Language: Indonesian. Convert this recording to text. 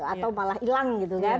atau malah hilang